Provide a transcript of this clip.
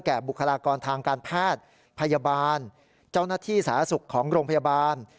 แก่บุคลากรทางการแพทย์พยาบาลเจ้าหน้าที่ศาสตร์ศักดิ์ของโรงพยาบาล